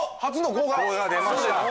５が出ました。